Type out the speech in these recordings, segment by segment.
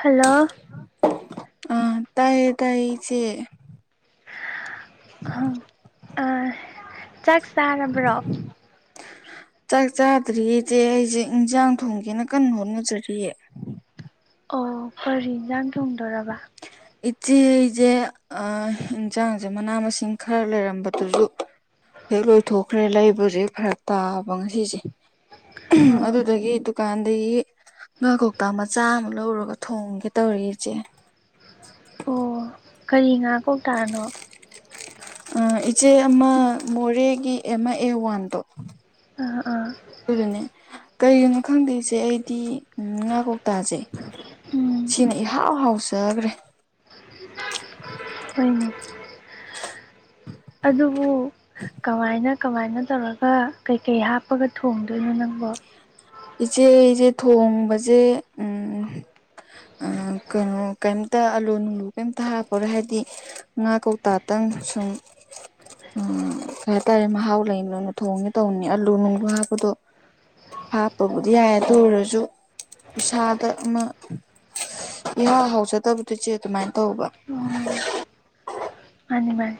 Hello ꯑ ꯇꯥꯢꯌꯦ ꯇꯥꯏꯌꯦ ꯏꯆꯦ ꯆꯥꯛ ꯆꯥꯔꯕ꯭ꯔꯣ ꯆꯥꯛ ꯆꯥꯗ꯭ꯔꯤꯌꯦꯆꯦ ꯑꯩꯁꯦ ꯏꯟꯁꯥꯡ ꯊꯣꯡꯒꯦꯅ ꯀꯟꯅ ꯍꯣꯠꯅꯖꯔꯤꯑꯦ ꯑꯣ ꯐꯔꯤꯖꯥꯡ ꯊꯣꯡꯗꯣꯔꯔꯕ ꯏꯆꯦꯁꯦ ꯏꯟꯁꯥꯡꯁꯦ ꯃꯅꯥ ꯃꯁꯤꯡ ꯈꯔ ꯂꯩꯔꯝꯕꯗꯨꯁꯨ ꯍꯦꯛ ꯂꯣꯏꯊꯣꯛꯈ꯭ꯔꯦ ꯂꯩꯕꯁꯦꯛ ꯐꯔ ꯇꯥꯕ ꯉꯁꯤꯁꯦ ꯑꯣ ꯑꯗꯨꯗꯒꯤ ꯑꯗꯨꯀꯥꯟꯗꯒꯤ ꯉꯥ ꯀꯧꯇꯥ ꯃꯆꯥ ꯑꯃ ꯂꯧꯔꯒ ꯊꯣꯡꯒꯦ ꯇꯧꯔ ꯏꯆꯦ ꯑꯣ ꯀꯔꯤ ꯉꯥ ꯀꯧꯇꯥꯅꯣ ꯏꯆꯦ ꯑꯃ ꯃꯣꯔꯦꯒꯤ ꯑꯃꯦꯝ ꯑꯦ ꯋꯥꯟꯗꯣ ꯑ ꯑꯥ ꯑꯗꯨꯗꯨꯅꯦ ꯀꯩꯒꯤꯅꯣ ꯈꯪꯗꯦ ꯢꯆꯦ ꯑꯩꯗꯤ ꯉꯥ ꯀꯧꯇꯥꯥꯁꯦ ꯎꯝ ꯁꯤꯅ ꯏꯍꯥꯎ ꯍꯥꯎꯖꯒ꯭ꯔꯦ [inaudible] [inaudible] ꯑꯗꯨꯕꯨ ꯀꯃꯥꯏꯅ ꯀꯃꯥꯏꯅ ꯇꯧꯔꯒ ꯀꯩꯀꯩ ꯍꯥꯞꯄꯒ ꯊꯣꯡꯗꯣꯏꯅꯣ ꯅꯪꯕꯣ ꯏꯆꯦ ꯑꯩꯖꯦ ꯊꯣꯡꯕꯖꯦ ꯎꯝ ꯑꯥ ꯀꯩꯅꯣ ꯀꯩꯝꯇ ꯑꯥꯂꯨ ꯅꯨꯡꯂꯨ ꯀꯩꯝꯇ ꯍꯥꯞꯄꯔꯦ ꯍꯥꯏꯕꯗꯤ ꯉꯥ ꯀꯧꯇꯥꯥꯛꯇꯪ ꯁꯨꯝ ꯎꯝ ꯀꯩ ꯍꯥꯏꯇꯥꯔꯦ ꯃꯍꯥꯎ ꯂꯩꯕꯅ ꯊꯣꯡꯉꯦ ꯇꯧꯕꯅꯦ ꯑꯂꯨ ꯅꯨꯡꯂꯨ ꯍꯥꯞꯄꯗꯣ ꯍꯥꯞꯄꯕꯨꯗꯤ ꯌꯥꯏ ꯑꯗꯨ ꯑꯣꯏꯔꯁꯨ ꯏꯁꯥꯗ ꯑꯃ ꯏꯍꯥꯎ ꯍꯥꯎꯖꯗꯕꯗꯨ ꯢꯆꯦ ꯑꯗꯨꯃꯥꯏꯅ ꯇꯧꯕ ꯑꯣ ꯃꯥꯅꯤ ꯃꯥꯅꯤ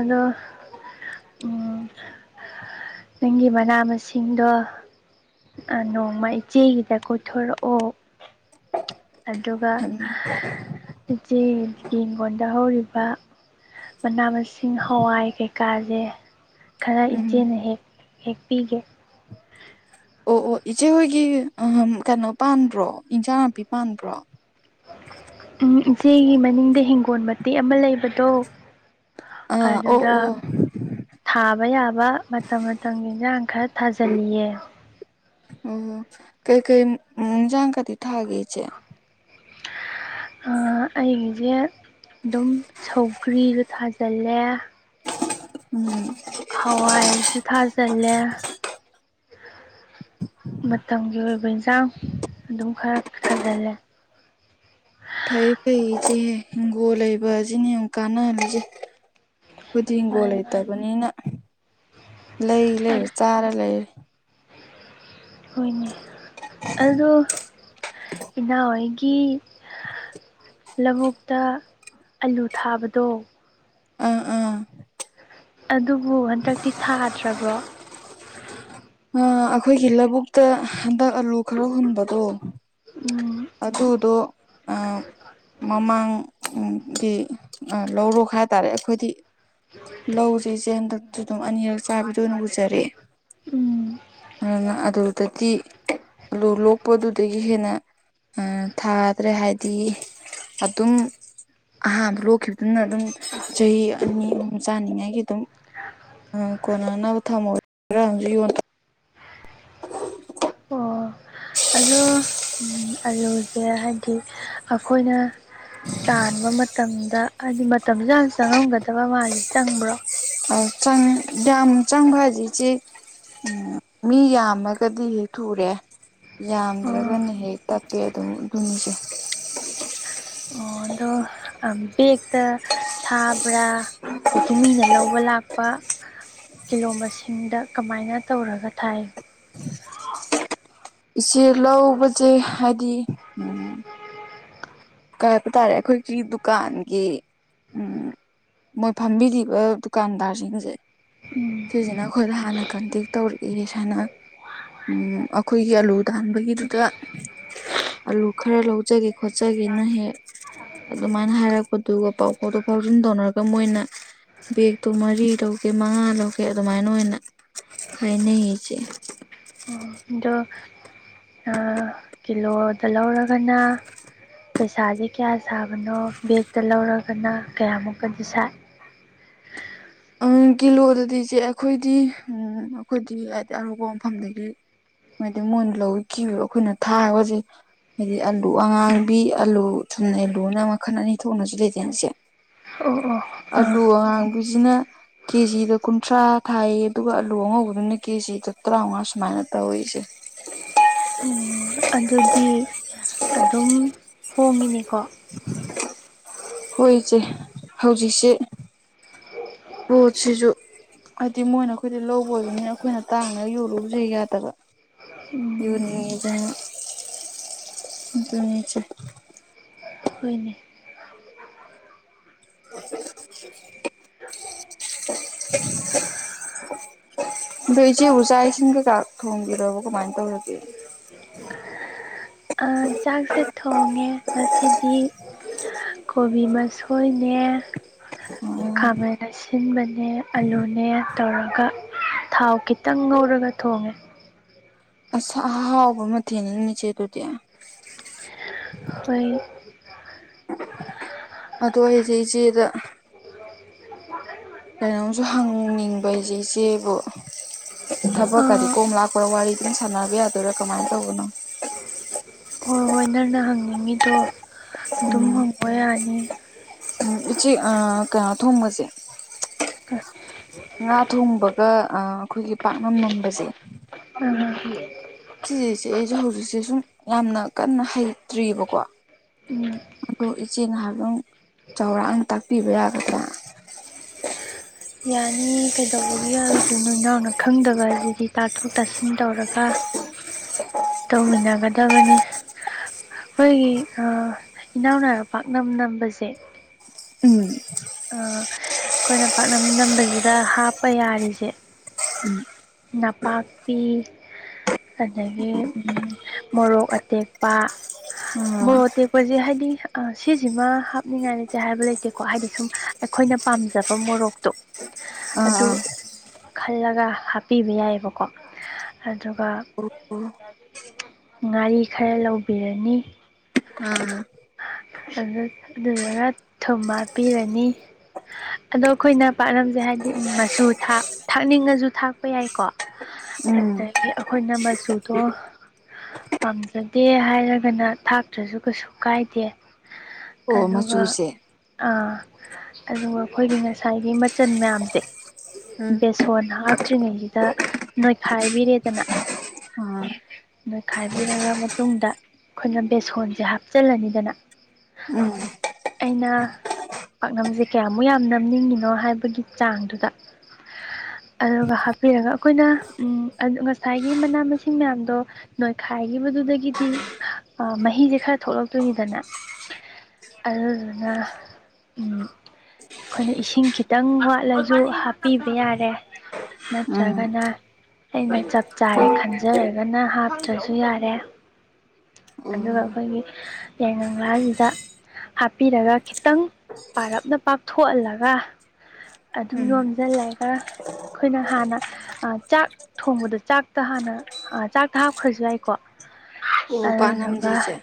ꯑꯗꯣ ꯎꯝ ꯅꯪꯒꯤ ꯃꯅꯥ ꯃꯁꯤꯡꯗꯣ ꯅꯣꯡꯃ ꯏꯆꯦꯒꯤꯗ ꯀꯣꯏꯊꯣꯔꯛꯑꯣ ꯑꯗꯨꯒ [unintelligible] ꯏꯆꯦꯒꯤ ꯍꯤꯡꯈꯣꯟꯗ ꯍꯧꯔꯤꯕ ꯃꯅꯥ ꯃꯁꯤꯡ ꯍꯋꯥꯏ ꯀꯩꯀꯥꯖꯦ ꯈꯔ ꯎꯝ ꯏꯆꯦꯅ ꯍꯦꯛ ꯍꯦꯛꯄꯤꯒꯦ ꯑꯣ ꯑꯣ ꯏꯆꯦꯍꯣꯏꯒꯤ ꯀꯩꯅꯣ ꯄꯥꯟꯕ꯭ꯔꯣ ꯏꯟꯖꯥꯡ ꯅꯥꯄꯤ ꯄꯥꯟꯕ꯭ꯔꯣ ꯎꯝ ꯏꯆꯦꯒꯤ ꯃꯅꯤꯡꯗ ꯍꯤꯡꯒꯣꯜ ꯃꯇꯦꯛ ꯑꯃ ꯂꯩꯕꯗꯣ ꯑꯥ ꯑꯣ ꯑꯗꯨꯗ ꯑꯣ ꯊꯥꯕ ꯌꯥꯕ ꯃꯇꯝ ꯃꯇꯝꯒꯤ ꯏꯟꯖꯥꯡ ꯈꯔ ꯊꯥꯖꯜꯂꯤꯌꯦ ꯑꯣ ꯀꯩ ꯀꯩ ꯢꯖꯥꯡꯀꯗꯤ ꯊꯥꯒꯦ ꯢꯆꯦ ꯑꯩꯒꯤꯁꯦ ꯑꯗꯨꯝ ꯁꯧꯒ꯭ꯔꯤꯁꯨ ꯊꯥꯖꯜꯂꯦ ꯎꯝ ꯍꯋꯥꯏꯁꯨ ꯊꯥꯖꯤꯜꯂꯦ ꯃꯇꯝꯒꯤ ꯑꯣꯏꯕ ꯏꯟꯁꯥꯡ ꯑꯗꯨꯝ ꯈꯔ ꯊꯥꯖꯤꯜꯂꯦ ꯐꯩ ꯐꯩ ꯏꯆꯦꯦ ꯏꯪꯒꯣꯜ ꯂꯩꯕ ꯑꯁꯤꯅ ꯌꯥꯝ ꯀꯥꯟꯅꯍꯜꯂꯤꯁꯦ ꯈꯨꯗꯤꯡꯒꯣꯜ ꯃꯥꯅꯤ ꯃꯥꯅꯤ ꯂꯩꯇꯕꯅꯤꯅ ꯂꯩ ꯂꯩꯔꯦ ꯆꯥꯔ ꯂꯩꯔꯦ ꯍꯣꯏꯅꯦ ꯑꯗꯣ ꯏꯅꯥꯎꯋꯥꯣꯏꯒꯤ ꯂꯧꯕꯨꯛꯇ ꯑꯂꯨ ꯊꯥꯕꯗꯣ ꯑꯥ ꯑꯥ ꯑꯗꯨꯕꯨ ꯍꯟꯗꯛꯇꯤ ꯊꯥꯗ꯭ꯔꯕ꯭ꯔꯣ ꯑꯩꯈꯣꯏꯒꯤ ꯂꯧꯕꯨꯛꯇ ꯍꯟꯗꯛ ꯑꯂꯨ ꯈꯔ ꯍꯨꯟꯕꯗꯣ ꯎꯝ ꯑꯗꯨꯗꯣ ꯃꯃꯥꯡ ꯎ ꯂꯧꯔꯣꯛ ꯍꯥꯏꯇꯥꯔꯦ ꯑꯩꯈꯣꯏꯗꯤ ꯂꯧꯁꯤꯦ ꯏꯆꯦꯗ ꯑꯗꯨꯝ ꯑꯅꯤꯔꯛ ꯆꯥꯕꯤꯗꯅ ꯎꯖꯔꯦ ꯎꯝ ꯑꯗꯨꯅ ꯑꯗꯨꯗꯗꯤ ꯑꯂꯨ ꯂꯣꯛꯄꯗꯨꯗꯒꯤ ꯍꯦꯟꯅ ꯊꯥꯗ꯭ꯔꯦ ꯍꯥꯏꯗꯤ ꯑꯗꯨꯝ ꯑꯍꯥꯟꯕ ꯂꯣꯛꯈꯤꯕꯗꯨꯅ ꯑꯗꯨꯝ ꯆꯍꯤ ꯑꯅꯤ ꯑꯍꯨꯝ ꯆꯥꯅꯤꯉꯥꯏꯒꯤ ꯑꯗꯨꯝ ꯑꯣ ꯀꯣꯟꯅꯅꯕ ꯊꯝꯍꯧ [unintelligible] ꯑꯣ ꯑꯗꯣ ꯑꯂꯨꯖꯦ ꯍꯥꯏꯕꯗꯤ ꯑꯩꯈꯣꯏꯅ ꯇꯥꯟꯕ ꯃꯇꯝꯗ ꯍꯥꯏꯗꯤ ꯃꯇꯝꯖꯦ ꯌꯥꯝ ꯆꯪꯉꯝꯒꯗꯕ ꯃꯥꯜꯂꯦ ꯆꯪꯕ꯭ꯔꯣ ꯆꯪ ꯌꯥꯝꯅ ꯆꯪꯕ ꯍꯥꯢꯖ ꯢꯆꯦ ꯎꯝ ꯃꯤ ꯌꯥꯝꯃꯒꯗꯤ ꯍꯦꯛ ꯊꯨꯔꯦ ꯌꯥꯝꯗ꯭ꯔꯒꯅ ꯎꯝ ꯍꯦꯛ ꯇꯄꯤꯦ ꯑꯗꯨ ꯑꯗꯨ ꯅꯤꯒꯤ ꯑꯣ ꯑꯗꯣ ꯕꯦꯛꯇ ꯊꯥꯕ꯭ꯔꯥ ꯑꯗꯒꯤ ꯃꯤꯅ ꯂꯧꯕ ꯂꯥꯛꯄ ꯀꯤꯂꯣ ꯃꯁꯤꯡꯗ ꯀꯃꯥꯏꯅ ꯇꯧꯔꯒ ꯊꯥꯏ ꯏꯆꯦ ꯂꯧꯕꯁꯦ ꯍꯥꯏꯗꯤ ꯎꯝ ꯀꯩ ꯍꯥꯏꯕ ꯇꯥꯔꯦ ꯑꯩꯈꯣꯏꯒꯤ ꯗꯨꯀꯥꯟꯒꯤ ꯎꯝ ꯃꯣꯏ ꯐꯝꯕꯤꯔꯤꯕ ꯗꯨꯀꯥꯟꯗꯥꯔꯁꯤꯡꯁꯦ ꯁꯤꯁꯤꯅ ꯑꯩꯈꯣꯏꯗ ꯍꯥꯟꯅ ꯀꯟꯇꯦꯛ ꯇꯧꯔꯛꯑꯦ ꯁꯅ ꯎ ꯑꯩꯈꯣꯏꯒꯤ ꯑꯂꯨ ꯇꯥꯟꯕꯒꯤꯗꯨꯗ ꯑꯂꯨ ꯈꯔ ꯂꯧꯖꯒꯦ ꯈꯣꯠꯆꯒꯦꯅ ꯍꯦꯛ ꯑꯗꯨꯃꯥꯏꯅ ꯍꯥꯏꯔꯛꯄꯗꯨꯒ ꯄꯥꯎ ꯐꯥꯎꯗꯣꯛ ꯐꯥꯎꯖꯤꯟ ꯇꯧꯅꯔꯒ ꯃꯣꯏꯅ ꯕꯦꯒꯇꯣ ꯃꯔꯤ ꯂꯧꯒꯦ ꯃꯉꯥ ꯂꯧꯒꯦ ꯑꯗꯨꯃꯥꯏꯅ ꯑꯣꯏꯅ ꯍꯥꯏꯅꯩ ꯏꯆꯦ ꯎꯗ ꯀꯤꯂꯣꯗ ꯂꯧꯔꯒꯅ ꯄꯩꯁꯥꯗꯤ ꯀꯌꯥ ꯁꯥꯕꯅꯣ ꯕꯦꯛꯇ ꯂꯧꯔꯒꯅ ꯀꯌꯥꯃꯨꯛꯀꯗꯤ ꯁꯥꯏ ꯎ ꯎꯝ ꯀꯤꯂꯣꯗꯗꯤ ꯏꯆꯦ ꯑꯩꯈꯣꯏꯗꯤ ꯎꯝ ꯑꯩꯈꯣꯏꯗꯤ ꯍꯥꯏꯗꯤ ꯑꯔꯨꯞꯄ ꯃꯐꯝꯗꯒꯤ ꯍꯥꯏꯗꯤ ꯃꯣꯏꯅ ꯂꯧꯋꯤ ꯀꯤ ꯑꯩꯈꯣꯏꯅ ꯊꯥꯔꯒꯁ ꯍꯥꯏꯗꯤ ꯑꯂꯨ ꯑꯉꯥꯡꯕꯤ ꯑꯂꯨ ꯊꯨꯝꯅ ꯑꯂꯨꯅ ꯃꯈꯜ ꯑꯅꯤ ꯊꯣꯛꯅꯁꯨ ꯂꯩꯇꯦ ꯑꯩꯁꯦ ꯑꯣ ꯑꯣ ꯑꯥ ꯑꯂꯨ ꯑꯉꯥꯡꯕꯤꯁꯤꯅ ꯀꯦꯖꯤꯗ ꯀꯨꯟꯊ꯭ꯔꯥ ꯊꯥꯏꯌꯦ ꯑꯗꯨꯒ ꯑꯂꯨ ꯑꯉꯧꯕꯗꯨꯅ ꯀꯦꯖꯤ ꯇꯠꯇ꯭ꯔꯣ ꯑꯃꯉꯔ ꯁꯃꯥꯏꯅ ꯇ ꯑꯣꯏꯁꯦ ꯎ ꯑꯗꯨꯗꯤ ꯑꯗꯨꯝ ꯍꯣꯡꯉꯤꯅꯦ ꯍꯣꯏꯁꯦ ꯍꯧꯖꯤꯛꯁꯦ ꯍ ꯁꯤꯁꯨ ꯍꯥꯏꯗꯤ ꯃꯣꯏꯅ ꯑꯩꯈꯣꯏꯗꯤ ꯂꯧꯕ ꯑꯣꯏꯕꯅꯤꯅ ꯑꯩꯈꯣꯏꯅ ꯇꯥꯡꯅ ꯌꯔꯨꯁꯩ ꯌꯥꯗꯕ ꯎꯝ ꯌꯅꯤꯖꯅꯤꯆ ꯍꯣꯏꯅꯦ [inaudible] [unintelligible] ꯑꯗꯣ ꯏꯆꯦ ꯑꯣꯖꯥ ꯏꯁꯤꯡ ꯀꯩꯀꯥ ꯊꯣꯡꯕꯤꯔꯕ ꯀꯃꯥꯏꯅ ꯇꯧꯔꯒꯦ ꯆꯥꯛꯁꯦ ꯊꯣꯡꯉꯦ ꯃꯁꯤꯗꯤ ꯀꯣꯕꯤ ꯃꯁꯣꯏꯅꯦ ꯈꯥꯃꯟꯟꯅ ꯑꯁꯤꯟꯕꯅꯦ ꯑꯂꯨꯅꯦ ꯇꯧꯔꯒ ꯊꯥꯎ ꯈꯤꯇꯪ ꯉꯧꯔꯒ ꯊꯣꯡꯉꯦ ꯑꯁ ꯑꯍꯥꯎꯕ ꯃꯊꯦꯜꯅꯤ ꯏꯆꯦꯗꯨꯗꯤ ꯍꯣꯏ ꯑꯗ ꯑꯩꯁꯦ ꯏꯆꯦꯗ ꯀꯩꯅꯣꯝꯁꯨ ꯍꯪꯅꯤꯡꯕ ꯏꯆꯦ ꯏꯆꯦꯕꯨ ꯊꯕꯛꯀꯗꯤ ꯑꯥ ꯀꯣꯝ ꯂꯥꯛꯄ꯭ꯔꯥ ꯋꯥꯔꯤꯗꯨꯝ ꯁꯥꯟꯅꯕ ꯌꯥꯗꯣꯏꯔꯥ ꯀꯃꯥꯏꯅ ꯇꯧꯕꯅꯣ ꯍ ꯍꯣꯏ ꯅꯪꯅ ꯍꯪꯅꯤꯡꯉꯤꯗꯣ ꯑꯗꯨꯝ ꯍꯪꯕ ꯌꯥꯅꯤ ꯎ ꯏ ꯎꯆꯦ ꯀꯩꯅꯣ ꯊꯣꯡꯕꯁꯦ ꯉꯥ ꯊꯣꯡꯕꯒ ꯑꯩꯈꯣꯏꯒꯤ ꯄꯥꯛꯅꯝ ꯅꯝꯕꯁꯦ ꯑꯥ ꯁꯤꯁꯤꯁꯦ ꯑꯩꯁꯦ ꯍꯧꯖꯤꯛꯁꯦ ꯁꯨꯝ ꯌꯥꯝꯅ ꯀꯟꯅ ꯍꯩꯇ꯭ꯔꯤꯕꯑꯔꯤꯕꯀꯣ ꯎꯝ ꯑꯗꯣ ꯏꯆꯦ ꯍꯥꯏꯕꯪ ꯆꯥꯎꯔꯥꯛꯅ ꯇꯥꯛꯄꯤꯕ ꯌꯥꯒꯗ꯭ꯔꯥ ꯌꯥꯅꯤ ꯀꯩꯗꯧꯕꯒꯤ ꯌꯥꯔꯗ꯭ꯔ ꯅꯣꯏ ꯏꯅꯥꯎꯅ ꯈꯪꯗꯕꯕꯁꯤꯗꯤ ꯇꯥꯊꯣꯛ ꯇꯥꯁꯤꯟ ꯇꯧꯔꯒ ꯇꯧꯃꯤꯟꯅꯒꯗꯕꯅꯤ ꯑꯩꯈꯣꯏꯒꯤ ꯏꯅꯥꯎ ꯅꯥꯎꯎ ꯄꯥꯛꯅꯝ ꯅꯝꯕꯁꯦ ꯎꯝ ꯑꯩꯈꯣꯏꯅ ꯄꯥꯛꯅꯝꯗꯝꯝꯕꯁꯤꯗ ꯍꯥꯞꯄ ꯌꯥꯔꯤꯁꯦ ꯅꯥꯄꯥꯛꯄꯤ ꯑꯗꯒꯤ ꯃꯣꯔꯣꯛ ꯑꯇꯦꯛꯄ ꯑꯥ ꯃꯣꯔꯣꯛ ꯇꯦꯛꯄꯁꯦ ꯍꯥꯏꯗꯤ ꯁꯤꯁꯤꯃ ꯍꯥꯞꯅꯤꯡꯉꯥꯏ ꯂꯩꯇꯦ ꯍꯥꯏꯕ ꯂꯩꯇꯦꯀꯣ ꯍꯥꯏꯗꯤ ꯁꯨꯝ ꯑꯩꯈꯣꯏꯅ ꯄꯥꯝꯖꯕ ꯃꯣꯔꯣꯛꯇꯣ ꯑꯗꯨ ꯑꯥ ꯈꯜꯂꯒ ꯍꯥꯞꯄꯤꯕ ꯌꯥꯏꯑꯕꯀꯣ ꯑꯗꯨꯒ ꯉꯥꯔꯤ ꯈꯔ ꯂꯧꯕꯤꯔꯅꯤ ꯑꯥ ꯑꯗꯨꯗꯨꯒ ꯊꯨꯝ ꯍꯥꯞꯄꯤꯔꯅꯤ ꯑꯗꯣ ꯑꯩꯈꯣꯏꯅ ꯄꯥꯠꯂꯝꯁꯦ ꯍꯥꯏꯕꯗꯤ ꯃꯆꯨ ꯊꯥꯛꯅꯤꯡꯉꯁꯨ ꯊꯥꯛꯄ ꯌꯥꯏꯀꯣ ꯎꯝ ꯑꯗꯒꯤ ꯑꯩꯈꯣꯏꯅ ꯃꯆꯨꯗꯣ ꯄꯥꯝꯖꯗꯦ ꯍꯥꯏꯔꯒꯅ ꯊꯥꯛꯇ꯭ꯔꯁꯨ ꯀꯩꯁꯨ ꯀꯥꯏꯗꯦ ꯑꯣ ꯑꯗꯨꯒ ꯃꯆꯨꯁꯦ ꯑꯗꯨꯒ ꯑꯩꯈꯣꯏꯒꯤ ꯉꯁꯥꯏꯒꯤ ꯃꯆꯜ ꯃꯌꯥꯝꯁꯦ ꯎꯝ ꯕꯦꯁꯣꯟ ꯍꯥꯞꯇ꯭ꯔꯤꯉꯩꯁꯤꯗ ꯅꯣꯏꯈꯥꯏꯕꯤꯔꯦꯗꯅ ꯑꯥ ꯅꯣꯏ ꯈꯥꯏꯕꯤꯔꯔꯕ ꯃꯇꯨꯡꯗ ꯑꯩꯈꯣꯏꯅ ꯕꯦꯁꯣꯟꯁꯦ ꯍꯥꯞꯄꯤ ꯆꯜꯂꯅꯤꯗꯅ ꯑꯩꯅ ꯄꯥꯛꯅꯝꯁꯦ ꯀꯌꯥꯃꯨꯛ ꯌꯥꯝ ꯅꯝꯅꯤꯡꯉꯤꯅꯣ ꯍꯥꯏꯕꯒꯤ ꯆꯥꯡꯗꯨꯗ ꯑꯗꯨꯒ ꯍꯥꯞꯄꯤꯔꯒ ꯑꯩꯈꯣꯏꯅ ꯉꯁꯥꯏꯒꯤ ꯃꯅꯥ ꯃꯁꯤꯡ ꯃꯌꯥꯝꯗꯣ ꯅꯣꯏꯈꯥꯏ ꯍꯥꯏꯈꯤꯕꯗꯨꯗꯒꯤꯗꯤ ꯃꯍꯤꯁꯦ ꯈꯔ ꯊꯣꯛꯂꯛꯇꯣꯏꯅꯤꯗꯅ ꯑꯗꯨꯅ ꯑꯩꯈꯣꯏꯅ ꯏꯁꯤꯡ ꯈꯤꯇꯪ ꯋꯥꯠꯂꯁꯨ ꯍꯥꯞꯄꯤꯕ ꯌꯥꯔꯦ ꯅ ꯎꯝ ꯑꯣ ꯆꯒꯅ ꯑꯩꯅ ꯆꯞ ꯆꯥꯔꯦ ꯈꯟꯖꯔꯒꯅ ꯍꯥꯞꯇ꯭ꯔꯁꯨ ꯌꯥꯔꯦ ꯑꯗꯨꯒ ꯑꯩꯈꯣꯏꯒꯤ ꯌꯥꯏꯉꯥꯁꯤꯗ ꯍꯥꯞꯄꯤꯔꯒ ꯈꯤꯇꯪ ꯄꯥꯔꯞꯅ ꯄꯥꯛꯊꯣꯛꯍꯜꯂꯒ ꯑꯗꯨꯝ ꯎꯝ ꯌꯣꯝꯁꯤꯜꯂꯒ ꯑꯩꯈꯣꯏꯅ ꯍꯥꯟꯅ ꯆꯥꯛ ꯊꯣꯡꯕꯗ ꯆꯥꯛꯇ ꯍꯥꯟꯅ ꯆꯥꯛꯇ ꯍꯥꯞꯈ꯭ꯔꯁꯨ ꯌꯥꯏꯀꯣ ꯑꯣ ꯄꯥꯛꯅꯝꯁꯦ ꯑꯗꯨꯗꯨꯒ ꯏꯆꯦ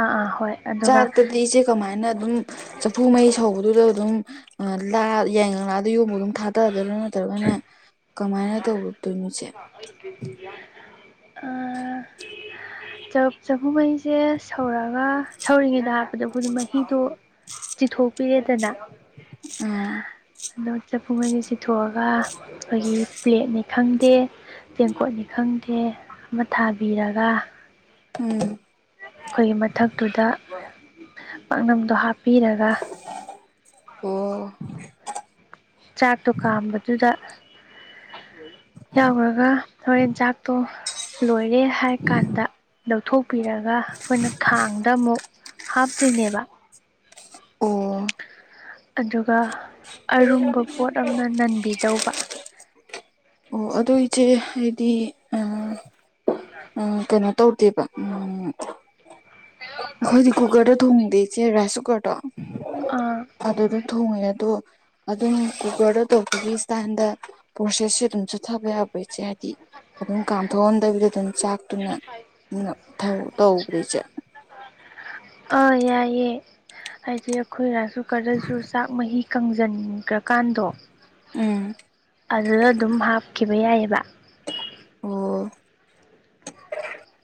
ꯑꯥ ꯑꯥ ꯍꯣꯏ ꯑꯗꯨꯒ ꯆꯥꯛꯇꯗꯤ ꯏꯆꯦ ꯀꯃꯥꯏꯅ ꯑꯗꯨꯝ ꯆꯐꯨ ꯃꯩ ꯁꯧꯕꯗꯨꯗ ꯑꯗꯨꯝ ꯌꯦꯡꯉ ꯑꯗ ꯌ ꯑꯗꯨ ꯊꯥꯗꯗꯣꯏꯔꯥ ꯅꯠꯇ꯭ꯔꯒꯅ ꯀꯃꯥꯏꯅ ꯇꯧꯔꯗꯣꯏꯅꯣꯁꯦ ꯑ ꯆꯐꯨ ꯃꯍꯩꯤꯁꯦ ꯁꯧꯔꯛꯑꯒ ꯁꯧꯔꯤꯉꯩꯅ ꯍꯥꯏꯕꯗ ꯑꯩꯈꯣꯏꯗꯤ ꯃꯍꯤꯗꯣ ꯆꯤꯊꯣꯛꯄꯤꯔꯦꯗꯅ ꯑꯥ ꯑꯗꯣ ꯆꯐꯨ ꯑꯅꯤ ꯁꯤꯊꯣꯛꯑꯒ ꯑꯩꯈꯣꯏꯒꯤ ꯄ꯭ꯂꯦꯠꯅꯤ ꯈꯪꯗꯦ ꯆꯦꯡꯀꯣꯠꯅꯤ ꯈꯪꯗꯦ ꯑꯃ ꯊꯥꯕꯤꯔꯒ ꯎꯝ ꯑꯩꯈꯣꯏꯒꯤ ꯃꯊꯛꯇꯨꯗ ꯄꯥꯛꯅꯝꯗꯣ ꯍꯥꯞꯄꯤꯔꯒ ꯑꯣ ꯆꯥꯛꯇꯣ ꯀꯥꯝꯕꯗꯨꯗ ꯌꯥꯎꯈ꯭ꯔꯒ ꯍꯣꯔꯦꯟꯖꯥꯛꯇꯣ ꯂꯣꯏꯔꯦ ꯍꯥꯏ ꯀꯥꯟꯗ ꯂꯧꯊꯣꯛꯄꯤꯔꯒ ꯑꯩꯈꯣꯏꯅ ꯈꯥꯡꯗ ꯑꯃꯨꯛ ꯍꯥꯞ ꯊꯏꯅꯦꯕ ꯑꯣ ꯑꯗꯨꯒ ꯑꯔꯨꯝꯕ ꯄꯣꯠ ꯑꯃꯅ ꯅꯟꯕꯤꯗꯧꯕ ꯑꯣ ꯑꯗꯨ ꯏꯆꯦ ꯍꯥꯏꯗꯤ ꯀꯩꯅꯣ ꯇꯧꯗꯦꯕ ꯎꯝ ꯁꯤꯦ ꯔꯥꯏꯁ ꯀꯨꯀꯔꯗꯣ ꯑꯥ ꯑꯗꯨꯗꯣ ꯊꯣꯡꯉꯦ ꯑꯗꯣ ꯑꯗꯨꯝ ꯀꯨꯀꯔꯗ ꯇꯧꯕꯒꯤ ꯏꯁꯇꯥꯏꯜꯗ ꯄ꯭ꯔꯣꯁꯦꯁꯁꯦ ꯑꯗꯨꯝ ꯆꯠꯊꯕ ꯌꯥꯕ ꯏꯆꯦ ꯑꯗꯨꯝ ꯀꯥꯝꯊꯣꯛꯑꯟꯗꯕꯤꯗ ꯑꯗꯨꯝ ꯆꯥꯛ ꯑꯗꯨꯨꯅ ꯇꯧꯕꯗꯩ ꯆꯠ ꯑꯥ ꯌꯥꯏꯌꯦꯦ ꯍꯥꯏꯗꯤ ꯑꯩꯈꯣꯏꯔꯁꯨ ꯈꯔꯁꯨ ꯆꯥꯛ ꯃꯍꯤ ꯀꯪꯁꯤꯟꯈ꯭ꯔ ꯀꯥꯟꯗꯣ ꯎꯝ ꯑꯗꯨꯗ ꯑꯗꯨꯝ ꯍꯥꯞꯈꯤꯕ ꯌꯥꯏꯑꯕ ꯑꯣ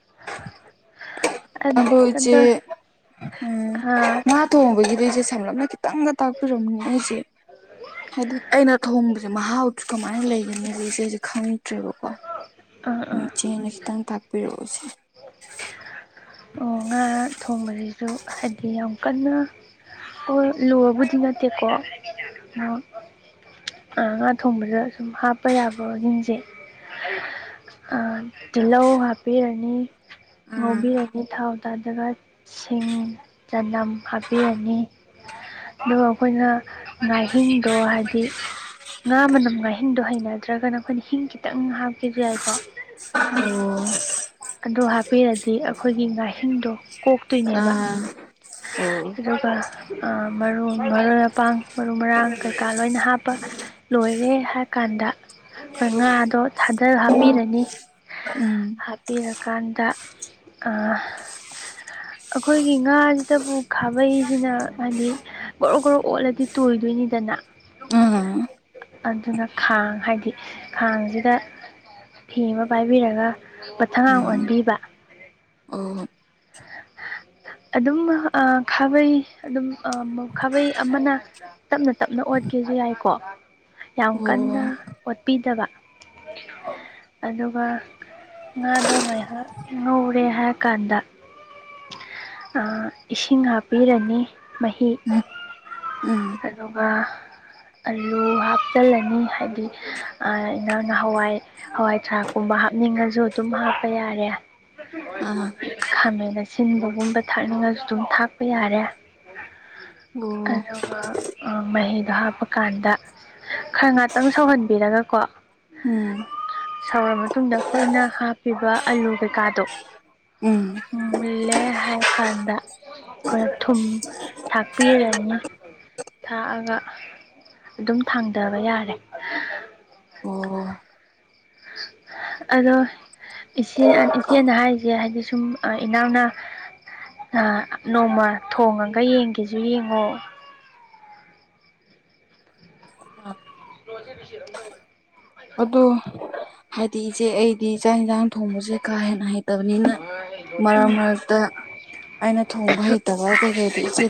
[inaudible] ꯑꯗꯣ ꯏꯆꯦ ꯑꯗ ꯎꯝ ꯑꯥ ꯉꯥ ꯊꯣꯡꯕꯒꯤꯗꯤ ꯏꯆꯦ ꯁꯝꯂꯞꯅ ꯈꯤꯇꯪꯒ ꯇꯥꯛꯄꯤꯔꯝꯅꯤ ꯑꯩꯁꯦ ꯍꯥꯏꯗꯤ ꯑꯩꯅ ꯊꯣꯡꯕꯁꯦ ꯃꯍꯥꯎ ꯀꯃꯥꯏꯅ ꯂꯩꯒꯅꯤ ꯁꯤ ꯁꯤꯦ ꯑꯩꯁꯨꯦ ꯈꯪꯗ꯭ꯔꯦꯕꯀꯣ ꯑꯥ ꯑꯥ ꯆꯅꯁꯤꯈꯤꯇꯪ ꯊꯥꯛꯄꯤꯔꯣꯑꯣꯕꯁꯤ ꯉꯥ ꯊꯣꯡꯕꯁꯤꯁꯨ ꯍꯥꯏꯗꯤ ꯌꯥꯝ ꯀꯟꯅ ꯑꯩꯈꯣꯏ ꯂꯨꯕꯗꯤꯤꯗꯀ ꯉꯥ ꯊꯣꯡꯕꯗ ꯁꯨꯝ ꯍꯥꯞꯄ ꯌꯥꯕꯁꯤꯡꯁꯦ ꯇꯤꯜꯍꯧ ꯍꯥꯞꯄꯤꯔꯅꯤ ꯑꯥ ꯉꯧꯕꯤꯔꯅꯤ ꯊꯥꯎ ꯇꯥꯗꯕ ꯁꯤꯡ ꯆꯅꯝ ꯍꯥꯞꯄꯤꯔꯅꯤ ꯑꯗ ꯑꯩꯈꯣꯏꯅ ꯉꯍꯤꯡꯗ ꯍꯥꯏꯗꯤ ꯉꯥ ꯃꯅꯝ ꯉꯥꯍꯤꯡꯗꯣ ꯍꯩꯅꯗ꯭ꯔꯒꯅ ꯑꯩꯈꯣꯏꯅ ꯍꯤꯡ ꯈꯤꯇꯪ ꯍꯥꯞꯀꯁꯨ ꯌꯥꯏꯀꯣ ꯎ ꯑꯗꯨ ꯍꯥꯞꯄꯤꯔꯗꯤ ꯑꯩꯈꯣꯏꯒꯤ ꯉꯥꯍꯤꯡꯗꯣ ꯀꯣꯛꯇꯣꯏꯅꯦꯕ ꯑꯥ ꯑꯣ ꯑꯗꯨꯒ ꯃꯔꯨ ꯃꯔꯣꯏ ꯃꯄꯥꯡ ꯃꯔꯨ ꯃꯔꯥꯡ ꯀꯩꯀꯥ ꯂꯣꯏꯅ ꯍꯥꯞꯄ ꯂꯣꯏꯔꯦ ꯍꯥꯏ ꯀꯥꯟꯗ ꯑꯩꯈꯣꯏ ꯉꯥꯗꯣ ꯊꯥꯗꯔꯒ ꯍꯥꯞꯄꯤꯔꯅꯤ ꯎꯝ ꯍꯥꯞꯄꯤꯔꯀꯥꯟꯗ ꯗ ꯑꯩꯈꯣꯏꯒꯤ ꯉꯥ ꯇꯕꯨ ꯈꯥꯕꯩꯁꯤꯅ ꯍꯥꯏꯗꯤ ꯒꯣꯔꯣꯛ ꯒꯣꯔꯣꯛ ꯑꯣꯠꯂꯗꯤ ꯇꯣꯏꯗꯣꯏꯅꯤꯗꯅ ꯎꯝ ꯑꯗꯨꯅ ꯈꯥꯡ ꯍꯥꯏꯗꯤ ꯈꯥꯡꯁꯤꯗ ꯐꯤ ꯑꯃ ꯄꯥꯏꯕꯤꯔꯒ ꯃꯊꯛꯒꯥꯡ ꯎꯝ ꯑꯣꯟꯕꯤꯕ ꯑꯣ ꯑ ꯑꯗꯨꯝ ꯈꯥꯕꯩ ꯑꯗꯨꯝ ꯈꯥꯕꯩ ꯑꯃꯅ ꯇꯞꯅ ꯇꯞꯅ ꯑꯣꯠꯀꯦꯁꯨ ꯌꯥꯏꯀꯣ ꯌꯥꯝ ꯑꯣ ꯀꯟꯅ ꯑꯣꯠꯄꯤꯗꯕ ꯑꯗꯨꯒ ꯉꯥꯗꯣ ꯉꯥꯏꯍꯥꯛ ꯉꯧꯔꯦ ꯍꯥꯏꯔ ꯀꯥꯟꯗ ꯏꯁꯤꯡ ꯍꯥꯞꯄꯤꯔꯅꯤ ꯃꯍꯤ ꯎꯝ ꯑꯗꯨꯒ ꯑꯂꯨ ꯍꯥꯞꯆꯤꯜꯂꯅꯤ ꯍꯥꯏꯗꯤ ꯏꯅꯥꯎꯅ ꯍꯋꯥꯏ ꯍꯋꯥꯏ ꯊꯔꯥꯛꯀꯨꯝꯕ ꯍꯥꯞꯅꯤꯡꯉꯁꯨ ꯑꯗꯨꯝ ꯍꯥꯞꯄ ꯌꯥꯔꯦ ꯑꯥ ꯈꯥꯃꯦꯟ ꯑꯁꯤꯟꯕꯒꯨꯝꯕ ꯊꯥꯛꯅꯤꯡꯉꯁꯨ ꯑꯗꯨꯝ ꯊꯥꯛꯄ ꯌꯥꯔꯦ ꯑꯣ ꯑꯗꯨꯒ ꯃꯍꯤꯗꯣ ꯍꯥꯞꯄꯀꯥꯟꯗ ꯈꯔ ꯉꯥꯛꯇꯪ ꯁꯧꯍꯟꯕꯤꯔꯒꯀꯣ ꯎꯝ ꯁꯧꯔ ꯃꯇꯨꯡꯗ ꯑꯩꯈꯣꯏꯅ ꯍꯥꯞꯄꯤꯕ ꯑꯂꯨ ꯀꯩꯀꯥꯗꯣ ꯎꯝ ꯃꯨꯜꯂꯦ꯫ ꯍꯥꯏ ꯀꯥꯟꯗ ꯑꯩꯈꯣꯏꯅ ꯊꯨꯝ ꯊꯥꯛꯄꯤꯔꯅꯤ ꯊꯥꯛꯑꯒ ꯑꯗꯨꯝ ꯊꯥꯡꯊꯕ ꯌꯥꯔꯦ ꯑꯣ [unintelligible] ꯑꯗꯣ ꯏꯆ ꯏꯆꯦꯅ ꯍꯥꯏꯔꯤꯁꯦ ꯍꯥꯏꯕꯗꯤ ꯁꯨꯝ ꯏꯅꯥꯎꯅ ꯅꯣꯡꯃ ꯊꯣꯡꯉꯒ ꯌꯦꯡꯒꯦꯁꯨ ꯌꯦꯡꯉꯣ ꯅꯣꯁꯤꯁꯤꯔꯝ ꯇꯥꯏ ꯑꯗꯣ ꯍꯥꯏꯗꯤ ꯏꯆꯦ ꯑꯩꯗꯤ ꯆꯥꯛ ꯏꯟꯁꯥꯡ ꯊꯣꯡꯕꯁꯦ ꯀꯥ ꯍꯦꯟꯅ ꯍꯩꯇꯦ ꯍꯠꯇꯕꯅꯤꯅ ꯍꯣꯏ ꯎꯝ ꯃꯔꯛ ꯃꯔꯛꯇ ꯑꯩꯅ ꯊꯣꯡꯕ ꯍꯩꯇꯕ ꯀꯩꯀꯩꯗꯣ ꯏꯆꯦ